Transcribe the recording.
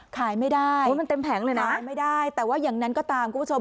ขายไม่ได้ขายไม่ได้แต่ว่าอย่างนั้นก็ตามคุณผู้ชม